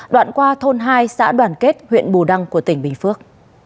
đoạn qua thôn hai xã đoàn kết huyện bù đăng của tỉnh bình phước